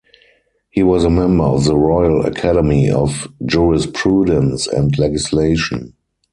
He was a member of the Royal Academy of Jurisprudence and Legislation.